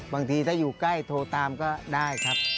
บางทีถ้าอยู่ใกล้โทรตามก็ได้ครับ